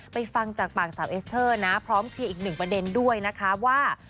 ฟังจากปากสาวเอสเตอร์นะพร้อมเคลียร์อีกหนึ่งประเด็นด้วยนะคะว่า